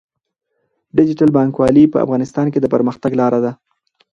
ډیجیټل بانکوالي په افغانستان کې د پرمختګ لاره ده.